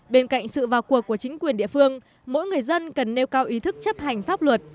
bên cạnh sự vào cuộc của chính quyền địa phương mỗi người dân cần nêu cao ý thức chấp hành pháp luật